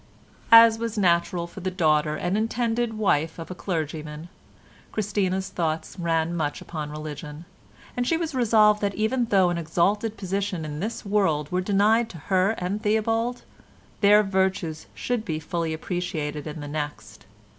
As was natural for the daughter and intended wife of a clergyman, Christina's thoughts ran much upon religion, and she was resolved that even though an exalted position in this world were denied to her and Theobald, their virtues should be fully appreciated in the next.